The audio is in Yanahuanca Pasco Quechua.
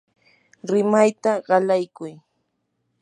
rimayta qalaykuy.